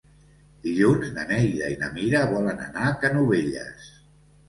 Dilluns na Neida i na Mira volen anar a Canovelles.